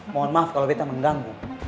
mohon maaf kalo beta mengganggu